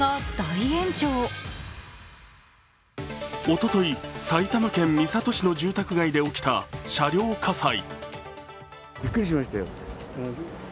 おととい、埼玉県三郷市の住宅街で起きた車両火災。